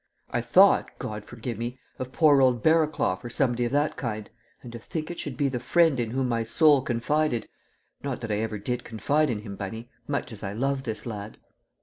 I thought, God forgive me, of poor old Barraclough or somebody of that kind. And to think it should be 'the friend in whom my soul confided'! Not that I ever did confide in him, Bunny, much as I love this lad."